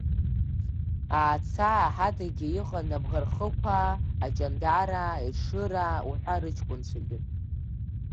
Аацаа ҳадагьы иҟан Абӷархықәаа, Аҷандараа, Ешыраа уҳәа рыҷкәынцәагьы.